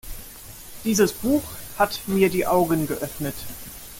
Dieses Buch hat mir die Augen geöffnet.